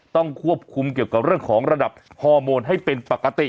ต้องควบคุมเกี่ยวกับเรื่องของระดับฮอร์โมนให้เป็นปกติ